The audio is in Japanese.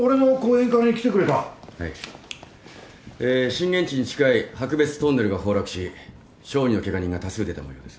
震源地に近い白別トンネルが崩落し小児のケガ人が多数出たもようです。